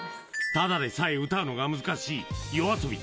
ただでさえ歌うのが難しいＹＯＡＳＯＢＩ